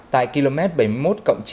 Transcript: tại km bảy mươi một cộng chín trăm linh